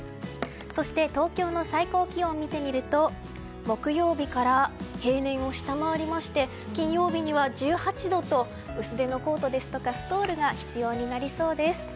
そして、東京の最高気温を見てみると木曜日から平年を下回りまして金曜日には１８度と薄手のコートですとかストールが必要になりそうです。